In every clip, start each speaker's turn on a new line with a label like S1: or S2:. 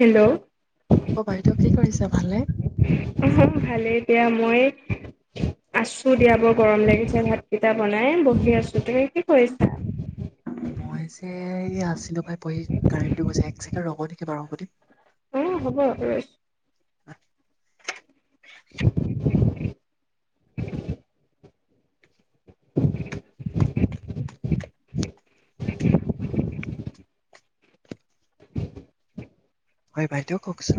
S1: Hello
S2: অ বাইদেউ কি কৰিছা ভালে?
S1: অ ভালেই দিয়া মই আছো দিয়া বৰ গৰম লাগিছে ভাত কেইটা বনাই বহি আছো। তুমি কি কৰিছা?
S2: মই যে এই আছিলো পাই পঢ়ি কাৰেণ্টটো গৈছে এক ছেণ্টে ৰব নেকি বাৰু বুলি
S1: অ হ'ব ৰ [unintelligible] [unintelligible]
S2: হয় বাইদেউ কওকচোন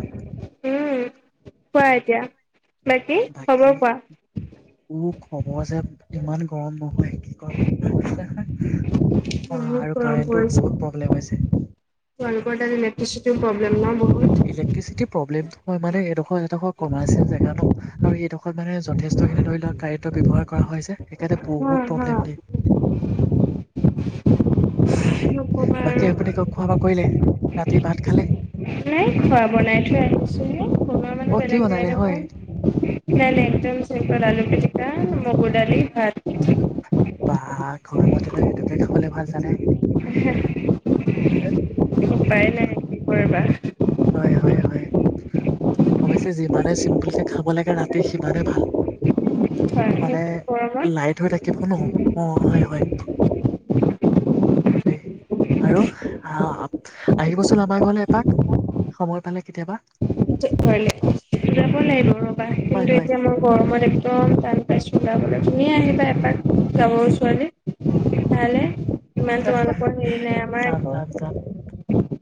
S1: উম কোৱা এতিয়া
S2: বাকী
S1: খবৰ কোৱা
S2: মো খবৰ যে ইমান গৰম নহয় কি কম আপোনাৰ অ
S1: বহুত
S2: আৰু
S1: গৰম
S2: কাৰেণ্টটো
S1: পৰিছে
S2: বহুত প্ৰব্লেম হৈছে
S1: তোমালোকৰ তাতে ইলেকট্ৰিচিটি প্ৰব্লেম ন বহুত
S2: ইলেক্ট্ৰিচিটি প্ৰব্লেম হয় মানে হেডখ হেডখ কমাৰ্চিয়েল জেগা ন আৰু সেই ডখৰত মানে য থেষ্টখিনি ধৰি লোৱা কাৰেণ্টৰ ব্যৱহাৰ কৰা হয় যে সেইকাৰনে
S1: হা
S2: বহুত
S1: হা
S2: প্ৰব্লেম দিয়ে হয় হয়
S1: নকবা আৰু
S2: বাকী আপুনি কওঁক খোৱা বোৱা কৰিলে ৰাতি ভাত খালে?
S1: নাইখোৱা বনাই থৈ আনিছোহে সময় মানে
S2: অ', কি
S1: বেলেগ
S2: বনালে হয়?
S1: বোই নহয় নাই নাই একদম চিম্পল আলু পিটিকা, মগু ডালি, ভাত
S2: বাঁহ গৰমত এনো সেইটোকে খাবলে ভাল জানে
S1: [unintelligible]
S2: হেহে
S1: উপায় নাই কি কৰিবা
S2: হয় হয় হয় অৱশ্যে যিমানে চিম্পুল কে খাব লাগে ৰাতি সিমানে ভাল মানে
S1: হয় গৰমত
S2: লাইট হৈ থাকিব ন? অ হয় হয়। দেই আৰু আহ আহিবচোন আমাৰ ঘৰলৈ এপাক- সময় পালে কেতিয়াবা।
S1: যাব লাগিব ৰবা।
S2: হয়,
S1: কিন্তু
S2: হয়,
S1: এতিয়া মই গৰমত- একদম টান পাইছোঁ ওলাবলৈ। তুমি আহিবা এপাক গাভৰু ছোৱালী। ভালে ইমান তোমালোক হেৰি নাই আমাৰ
S2: যাম, যাম,
S1: আকৌ-
S2: যাম।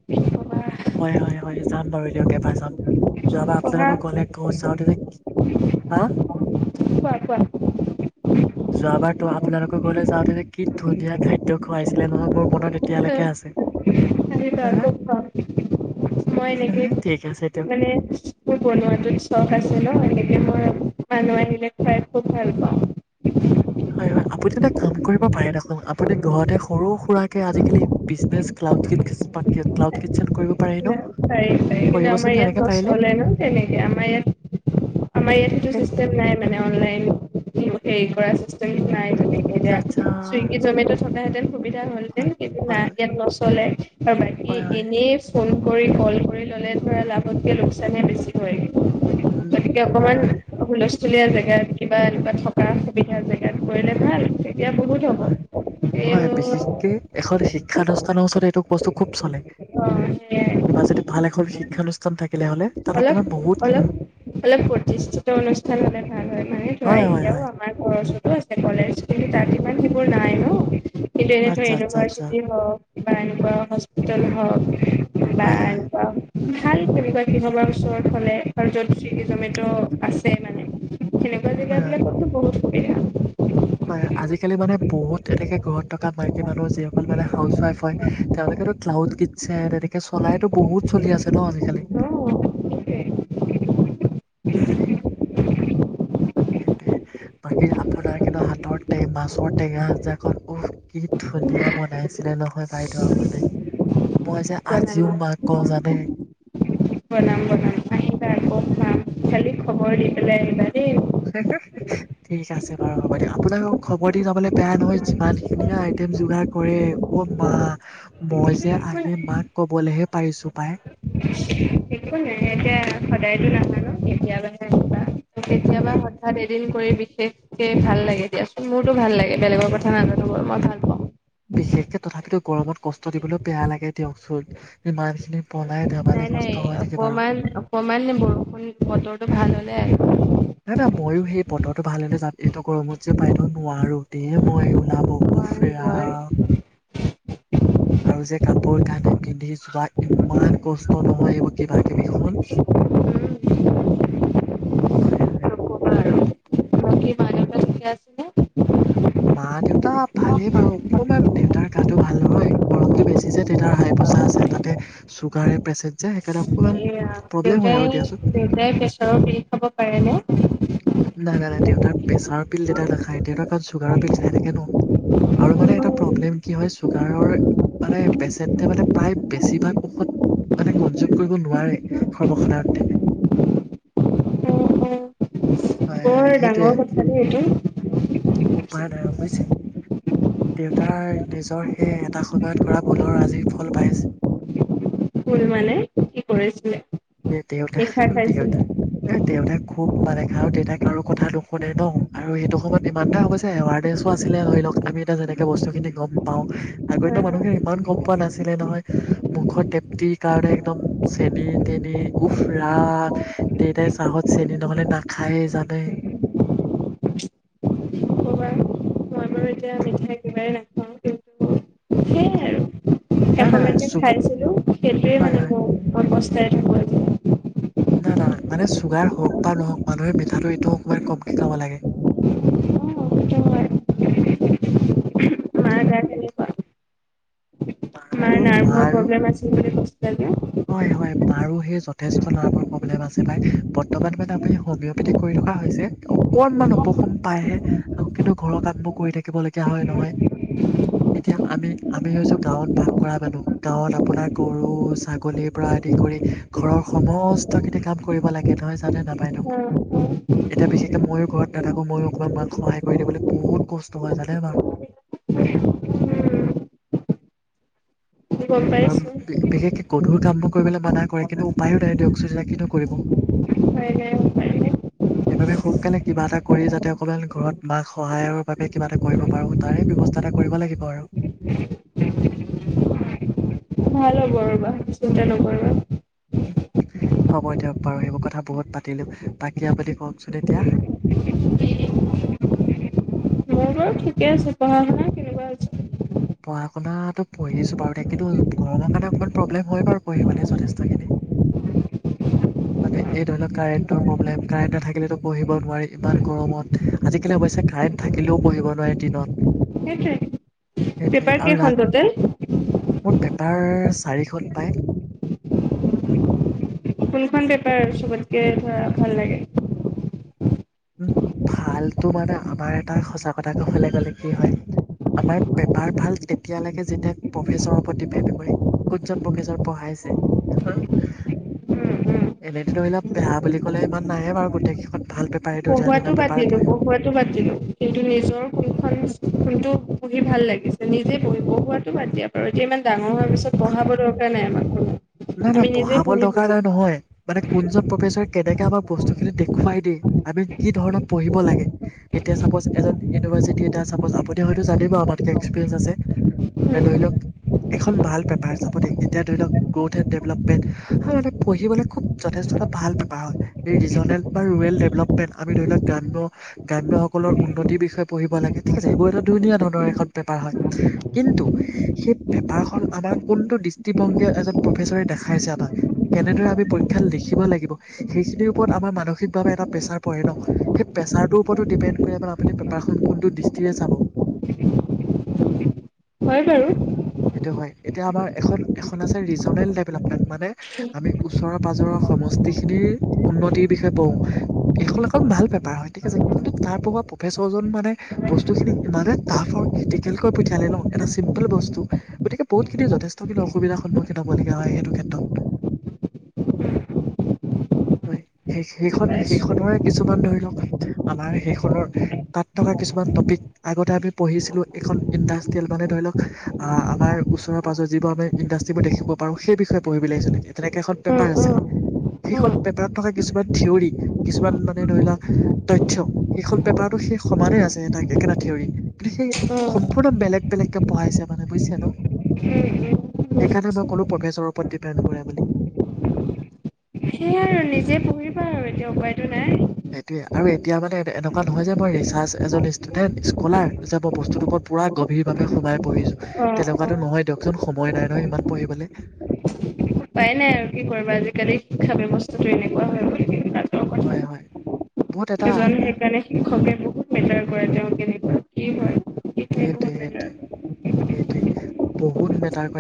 S1: পঢ়া
S2: হয় হয় হয় যাম বাৰু দিয়ক এবাৰ যাম। যোৱাবাৰ
S1: কোৱা কোৱা
S2: আপনালোকৰ ঘৰলে গ যাওঁতে যে- হা-
S1: কোৱা কোৱা?
S2: যোৱাবাৰ ত আপোনালোকৰ ঘৰলৈ যাওঁতে কি ধুনীয়া খাদ্য খুৱাইছিলে নহয় মোৰ মনত- এতিয়ালৈকে আছে।
S1: আমি ফাষ্ট
S2: আহা,
S1: ফুড খাওঁ। মই
S2: আহা,
S1: অনেকেই
S2: ঠিক আছে দিয়ক।
S1: মানে- মোৰ বনোৱাটো চখ আছে ন সনেকে মই মানুহ আহিলে খুৱাই খুব ভাল পাওঁ।
S2: হয় হয়। আপুনি এটা কাম কৰিব পাৰে দেখোন, আপুনি ঘৰতে সৰু সুৰাকে আজিকালি- বিজনেছ ক্লাউড কিত ক্লাউড কিটচেন কৰিব পাৰি ন?
S1: পৰি। কিন্তু আমাৰ
S2: কৰিবচোন
S1: ইয়াত
S2: তেনেকে পাৰিলে
S1: নচলে ন তেনেকে আমাৰ ইয়াত আমাৰ ইয়াত সেইটো
S2: সেই
S1: চিষ্টেম নাই। মানে অনলাইন হেৰি কৰা চিটেমটো নাই।
S2: আচ্ছা
S1: এতিয়া
S2: আচ্ছা,
S1: চুইগি জমেট থকাহেঁতেন সুবিধা হলহেতেন
S2: হয়
S1: কিন্তু না
S2: হয় হয়
S1: ইয়াত নচলে। আৰু বাকী
S2: হয় হয়
S1: এনেই ফোন কৰি কল কৰি ললে ধৰা লাভতকে লোকচানহে বেছি- হয়। গতি
S2: উম
S1: গতিকে
S2: হয় হয়
S1: অকমান- হুলস্থুলীয়া জেগাত কিবা এনেকুৱা থকা সুবিধা জেগাত কৰিলে ভাল। এতিয়া বহুত হ'ব। এই-
S2: কি এখন শিক্ষানুষ্ঠানৰ ওচৰত এইটো বস্তু খুব চলে।
S1: অ সেয়াই
S2: কিবা যদি ভাল এখন শিক্ষানুষ্ঠান থাকিলে হলে। তাত
S1: অলপ
S2: আপোনাৰ বহুতখিনি
S1: অলপ অলপ প্ৰতিষ্ঠিত অনুষ্ঠান হলে ভাল হয়। মানে ধৰা
S2: হয় হয় হয়
S1: এতিয়াও- আমাৰ ঘৰৰ ওচৰটো আছে কলেজ কিন্তু তাত ইমান সিবোৰ নাই ন। কিন্তু
S2: আচ্ছা আচ্ছা আচ্ছা
S1: ইউনিভাৰ্চিটি হওক কিবা এনেকে হস্পিটেল হওক- বা
S2: হয় হয়
S1: এনেকুৱা ভাল শুনিব- সেইবোৰৰ ওচৰত হ'লে আৰু য'ত চুইগি জমেট' আছে মানে। সেনেকুৱা
S2: হয়
S1: জাগা
S2: হয়
S1: বিলাকতো বহুত সুবিধা হ'ব।
S2: হয় আজিকালি মানে বহুত এনেকে ঘৰত থকা মাইকী মানুহ যিসকল মানে হাউচৱাইফ হয়- তেওঁলোকেতো ক্লাউড কিটছেন তেনেকে চলাইতো বহুত চলি আছে ন আজিকালি।
S1: [unintelligible]
S2: থেইট সেইটোৱে। বাকী আপোনাৰ কিন্তু হাতৰ টে মাছৰ টেঙা আঞ্জাখন উফ। কি ধুনীয়া বনাইছিলে নহয় বাইদেউ আপুনি। মই যে
S1: বনাম
S2: আজিও মাক কওঁ জানে?
S1: [unintelligible] তাইকো চাম। খবৰ দি পেলাই আহিবা দেই।
S2: [unintelligible] ঠিক আছে বাৰু হ'ব দিয়ক। আপোনাৰো খবৰ দি যাবলৈ বেয়া নহয় যিমান খিনিহে আইটেম যোগাৰ কৰে। অ মা মই যে আহি মাক কবলেহে পাৰিছো পাই।
S1: একো নাহে দিয়া। সদায়তো নাহা ন কেতিয়াবাহে আহিবা কেতিয়াবা এদিন কৰি বিশেষকে ভাল লাগে দিয়াচোন মোৰতো ভাল লাগে বেলেগৰ কথা নাজানো গ'ল মই ভাল পাওঁ।
S2: বিশেষকে তথাপিতো গৰমত কষ্ট দিবলৈ বেয়া লাগে দিয়কচোন। ইমান খিনি
S1: নাই নাই অকমান অকমান বৰষুণ বতৰটো ভাল হ'লে আহিবা।
S2: না না ময়ো সেই বতৰটো ভাল হ'লে যাম এইটো গৰমত যে বাইদেউ নোৱাৰো দে মই ওলাব। উফ
S1: নোৱাৰি নোৱাৰি
S2: ৰাম! আৰু যে কাপোৰ কানি পিন্ধি যোৱা ইমান কষ্ট নহয় এইবোৰ কিবা কিবি হয়, হয়।
S1: নকবা আৰু [inaudible] ঠিকে আছে নে?
S2: মা দেউতা ভালে বাৰু অকমান দেউতাৰ গাটো ভাল নহয় গৰমটো বেছি যে দেউতাৰ হাই প্ৰেছাৰ আছে তাতে চুগাৰে পেচেণ্ট যে সেইকাৰণে অকমান প্ৰব্লেম হয় আৰু দিয়াচোন।
S1: সদায় প্ৰেছৰৰ পিল খাব পাৰে নে?
S2: নাই নাই নাই দেউতাৰ প্ৰেছাৰৰ পিল দেউতা নাখায় দেউতাৰ কাৰণ চুগাৰৰ পিল খাই থাকে ন। আৰু মানে এটা প্ৰব্লেম কি হয় চুগাৰৰ মানে পেচেণ্টে মানে প্ৰায় বেছিভাগ ঔষধ মানে কনজিউম কৰিব নোৱাৰে সৰ্বসাধাৰণতে। হয়,
S1: বৰ
S2: সেইটোৱে
S1: ডাঙৰ কথা দেই এইটো।
S2: উপায় নাই আৰু বুজিছে। দেউতাৰ নিজৰ সেই এটা সময়ত কৰা ভুলৰ আজি ফল পাই আছে।
S1: ভুল মানে কি কৰিছিলে
S2: দে দেউতা
S1: মিঠাই
S2: দেউতা
S1: খাইছিলে?
S2: এ দেউতাক খুব মানে খাই আৰু দেউতাক আৰু কথা নুশুনে ন আৰু সেইটো সময়ত ইমান এটা হ'ব যে এৱাৰনেচ নাছিলে ধৰি লওঁক। আমি এটা যেনেকে বস্তুখিনি গম পাওঁ আগৰ দিনত
S1: হয় হয়
S2: মানুহখিনি ইমান গম পোৱা নাছিলে নহয়। মুখৰ তৃপ্তিৰ কাৰণে একদম চেনি তেনি উফ ৰাম। দেতাই চাহত চেনি নহ'লে নাখায়ে জানে।
S1: নকবা, মই বাৰু এতিয়া মিঠাই একেবাৰে কিন্তু সেয়াই আৰু
S2: নাই নাই
S1: এসময়ত যে
S2: চুগ
S1: খাইছিলোঁ সেইটোৱে
S2: হয়
S1: মানে
S2: হয়।
S1: [inaudible]
S2: না না মানে চুগাৰ হওঁক বা নহওঁক মানুহে মিঠাটো এইটো অকনমান কমকে খাব লাগে।
S1: অ', সেইটো হয়। মাৰ
S2: সেইটোৱে।
S1: গা কেনেকুৱা মাৰ
S2: আৰু
S1: নাৰ্ভৰ
S2: মাৰো
S1: প্ৰব্লেম আছিল যে [unintelligible]
S2: হয়, হয়, মাৰো সেই যথেষ্ট নাৰ্ভৰ প্ৰব্লেম আছে পাই। বৰ্তমান মানে আমি হোমিওপেথিক কৰি থকা হৈছে। অকনমান উপশম পাইহে কিন্তু ঘৰৰ কামবোৰ কৰি থাকিব লগীয়া হয় নহয়। এতিয়া আমি আমি হৈছো গাঁৱত বাস কৰা মানুহ। গাঁৱত আপোনাৰ গৰু, ছাগ লীৰ পৰা আদি কৰি ঘৰৰ সমস্তখিনি কাম কৰিব লাগে নহয় জানে নাই বাইদেউ।
S1: অ উম
S2: এতিয়া বিশেষকৈ ময়ো ঘৰত নাথাকোঁ ময়ো অকণমান মাক সহায় কৰি দিবলৈ বহুত কষ্ট হয় জানে মা।
S1: [unintelligible]
S2: আৰু
S1: পাইছো।
S2: বিশেষকে গধুৰ কামবোৰ কৰিবলৈ মানা কৰে কিন্তু উপায়ো নাই দিয়কচোন এতিয়া কিনো কৰিব।
S1: [inaudible]
S2: সেইবাবে সোনকালে কিবা এটা কৰি যাতে অকমান ঘৰত মাক সহায়ৰ বাবে কিবা এটা কৰিব পাৰোঁ তাৰে ব্যৱস্থা এটা কৰিব লাগিব আৰু।
S1: ভাল হ'ব ৰ'বা। [unintelligible] চিন্তা নকৰিবা।
S2: হ'ব দিয়ক বাৰু সেইবোৰ কথা বহুত পাতিলো তাকে আপনি কওকচোন এতিয়া
S1: মোৰ বাৰু ঠিকে আছে। পঢ়া-শুনা।
S2: পঢ়া শুনাতো পঢ়িছো বাৰু তাকেইতো গৰমৰ কাৰণে অকণমান প্ৰব্লেম হয় বাৰু পঢ়িব মানে যথেষ্টখিনি মানে এই ধৰি লওক কাৰেণ্টৰ প্ৰব্লেম কাৰেণ্ট নাথাকিলেটো পঢ়িব নোৱাৰি, ইমান গৰমত। আজিকালি অৱশ্যে কাৰেণ্ট থাকিলেও পঢ়িব নোৱাৰে দিনত।
S1: সেইটোৱেই
S2: সেইটোৱেই আৰু [inaudible] মোৰ পেপাৰ চাৰিখন পায়।
S1: কোনখন পেপাৰ চবতকে ধৰা ভাল লাগে।
S2: উম', ভালতটো মানে আমাৰ এটা সঁচা কথা কবলৈ গ'লে কি হয়। আমাৰ পেপাৰ ভাল তেতিয়ালকে যেতিয়া প্ৰফেচৰ ওপৰত দিপেণ্ড কৰে। কোনজন প্ৰফেছৰ পঢ়াইছে হা। এনেতটো ধৰি লওক বেয়া বুলি ক'লে ইমান নাহে বাৰু গোটেই কেইখন ভাল। পেপাৰে ধুনীয়া
S1: পঢ়োৱাতো
S2: ধুনীয়া
S1: বাদ
S2: পেপাৰে
S1: দিলো।
S2: পঢ়ে
S1: পঢ়োৱাতো বাদ দিলো। কিন্তু নিজৰ কোনখন কোনটো পঢ়ি ভাল লাগিছে, নিজে পঢ়ি পঢ়োৱাতটো বাদ দিয়া। আৰু এতিয়া ইমান ডাঙৰ হোৱাৰ পিছত পঢ়াব দৰকাৰ নাই। আমাক আৰু
S2: না। না পঢ়াব দৰকাৰ নাই নহয়। মানে কোনজন প্ৰফেচৰ কেনেকে আমাক বস্তু খিনি দেখুৱাই দিয়ে, আমি কি ধৰণত পঢ়িব লাগে। এতিয়া চাপৌচ এজন ইউনিভাৰ্চিটি এটা চাপৌচ আপুনি হয়টো জানিব আমাত কে এক্সপেৰিয়েন্স আছে।
S1: উম
S2: ধৰি লওক এখন ভাল পেপাৰ হিচাপতে এতিয়া ধৰি লওক গ্ৰোথ এণ্ড ডেভলপমেণ্ট। আৰু এটা পঢ়িবলে খুব যথেষ্ট এটা ভাল বেপাৰ হয়। এই ৰিজনেল বা ৰুৰেল ডেভলপমেণ্ট আমি ধৰি লওক গ্ৰাম্য গ্ৰাম্য সকলৰ উন্নতিৰ বিষয়ে পঢ়িব লাগে। ঠিক আছে। এইবোৰ এটা ধুনীয়া ধৰণৰ এখন পেপাৰ হয়। কিন্তু সেই পেপাৰ খন আমাৰ কোনটো দৃষ্টিভংগীৰে এজন প্ৰফেচৰে দেখাইছে [unintelligible] কেনেদৰে আমি পৰীক্ষাত লিখিব লাগিব। সেইখিনিৰ ওপৰত আমাৰ মানসিকভাৱে এটা প্ৰেচাৰ পৰে ন। সেই প্ৰেছাৰটোৰ ওপৰতো ডিপেণ্ড কৰে মানে আপুনি পেপাৰখন কোনটো দৃষ্টিৰে চাব।
S1: হয় বাৰু
S2: সেইটো হয়। এতিয়া আমাৰ এখন এখন আছে। ৰিজনেল দেভল'পমেণ্ট মানে আমি ওচৰৰ পাজৰৰ সমষ্টিখিনিৰ উন্নতিৰ বিষয়ে পঢ়ো। এইখন এখন ভাল পেপাৰ হয়। ঠিক আছে। কিন্তু তাৰ পোৱা প্ৰফেচৰজন মানে বস্তুখিনি ইমানে টাফ আৰু ক্ৰিটিকেলকৈ পিঠিয়ালে ন এটা চিম্পল বস্তু গতিকে বহুতখিনি যতেষ্ঠখিনি অসুবিধা সন্মুখীন হ'বলগীয়া হয়। সেইটো ক্ষেতত হয়। সেই
S1: বুজি
S2: সেইখন
S1: পাইছো
S2: সেইখনৰে কিছুমান ধৰিলওক আমাৰ সেইখনৰ তাত থকা কিছুমান টপিক আগতে আমি পঢ়িছিলো। এখন ইণ্ডাষ্ট্ৰিয়েল মানে ধৰি লওক আমাৰ ওচৰৰ পাজৰ যিবোৰ আমি ইণ্ডাষ্ট্ৰিবোৰ দেখিব পাৰো। সেই বিষয়ে পঢ়িব লাগে। একচুৱেলী তেনেকে এখন
S1: উম
S2: পেপাৰ
S1: উম
S2: আছিলে।
S1: উম
S2: সেইখন পেপাৰত থকা কিছুমান থিয়ৰী কিছুমান মানে ধৰিলোৱা তথ্য সেইখন পেপাৰতটো সেই সমানে আছে। এ, একেটা থিয়ৰি কিন্তু
S1: উম উম উম।
S2: সেই অলপ বেলেগ বেলেগকে পঢ়াইছে মানে বুজিচা ন। সেইকাৰণে মই ক'লো প্ৰফেচাৰৰ ওপৰত ডিপেন কৰে বুলি।
S1: সেইয়াই আৰু নিজে পঢ়িবা আৰু এতিয়া উপায়টো নাই।
S2: সেইটোয়ে আৰু এতিয়া মানে এনেকুৱা নহয় যে, মই ৰিচাৰ্চ এজন ষ্টুডেন্ট স্কুলাৰ যে মই বস বস্তুটোৰ উপৰত পোৰা গভীৰভাৱে সোমাই পঢ়িছো।
S1: অ অ।
S2: তেনেকুৱাতো নহয় দিয়কচোন সময় নাই নহয়, সিমান পঢ়িবলৈ।
S1: উপাই নাই, আৰু কি কৰিবা আজিকালি খাবি বস্তুটো এনেকুৱা হয় বুলি
S2: হয়। হয়। বহুত এটা
S1: কাৰণে শিক্ষকে বহুত মেটাৰ কৰে তেওঁ কেনেকুৱা কি হয় সেইখিনি
S2: সেইটোৱে,
S1: বহুত মেটাৰ
S2: সেইটোৱে,
S1: কৰে।
S2: সেইটোৱেই বহুত মেতাৰ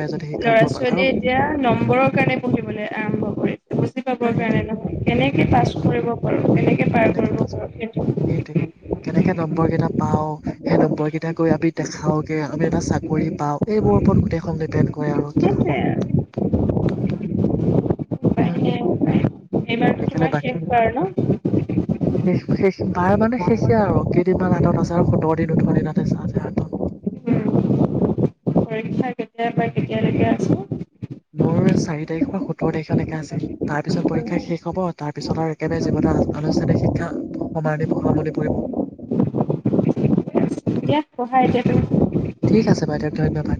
S1: ল'ৰা ছোৱালীয়ে এতিয়া নম্বৰৰ কাৰণে পঢ়িবলৈ আৰম্ভ কৰে বুজি পাবৰ
S2: হয় সেইটোৱে
S1: কাৰণে নহয়, কেনেকে পাছ
S2: সেইটোৱে
S1: কৰিব পাৰোঁ কেনেকে পাৰ কৰিব পাৰোঁ সেইটো
S2: সেইটোৱে কেনেকে নম্বৰ কেইটা পাওঁ সেই নম্বৰ কেইটা গৈ আমি দেখাওঁগে আমি এটা চাকৰি পাওঁ এইবোৰ ওপৰত গোটেইখন ডিপেণ্ড কৰে আৰু। কি ক'ব
S1: সেইটোৱে আৰু। উপায় নাই উপায়
S2: সেইকাৰণে বাকী
S1: উ [unintelligible] [inaudible]
S2: শেষ শেষ বাৰ মানে শেষেই আৰু কেইদিনমান হাতত আছে আৰু সোঁতৰ দিন, ওঠৰ দিন [unintelligible] হাতত
S1: উম, পৰীক্ষা কেতিয়াৰ পৰা কেতিয়ালৈকে আছে?
S2: মোৰ চাৰি তাৰিখৰ পৰা সোঁতৰ তাৰিখলেকে আছে। তাৰপিছত পৰীক্ষা শেষ হ'ব তাৰপিছত আৰু একেবাৰে জীৱনৰ আ-আনুষ্ঠানিক শিক্ষা সমাৰনি সামৰণি পৰিব।
S1: দিয়া পঢ়া এতিয়া তুমি।
S2: ঠিক আছে বাইদেউ ধন্যবাদ।